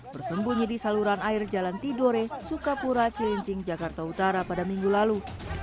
bersembunyi di saluran air jalan tidore sukapura cilincing jakarta utara pada minggu lalu